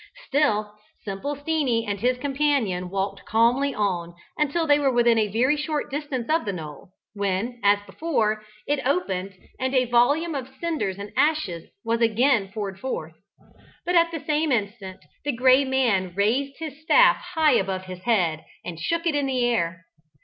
Still "Simple Steenie" and his companion walked calmly on until they were within a very short distance of the knoll, when, as before, it opened, and a volume of cinders and ashes was again poured forth. But, at the same instant, the Gray Man raised his staff high above his head and shook it in the air.